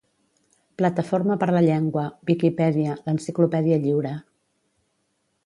Plataforma per la Llengua - Viquipèdia, l'enciclopèdia lliure